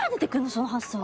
その発想。